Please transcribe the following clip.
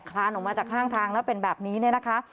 คลานออกมาจากข้างทางแล้วเป็นแบบนี้เนี่ยนะคะ